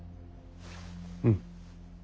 うん。